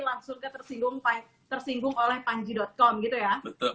langsung ke tersinggungolehpanji com gitu ya